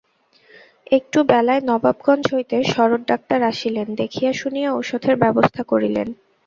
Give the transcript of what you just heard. একটু বেলায় নবাবগঞ্জ হইতে শরৎ ডাক্তার আসিলেন-দেখিয়া শুনিয়া ঔষধের ব্যবস্থা করিলেন।